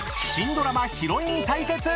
［新ドラマヒロイン対決！］